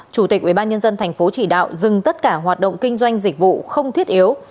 chủ tịch ubnd tp chỉ đạo dừng tất cả hoạt động kinh doanh dịch vụ không thiết yếu